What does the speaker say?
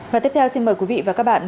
và tiếp theo xin mời quý vị và các bạn